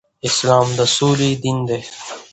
اسلام د سولې دين دی